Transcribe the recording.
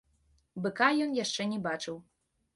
Быка ён яшчэ не бачыў.